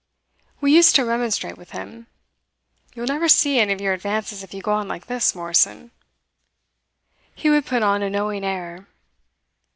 We used to remonstrate with him: "You will never see any of your advances if you go on like this, Morrison." He would put on a knowing air.